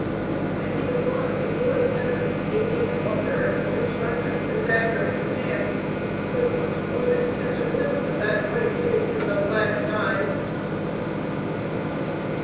And he was gone before the peasant, gaping in wonder at the rich garments and dagger in his hands, could much more than catch a glimpse of that bright face and those laughing eyes.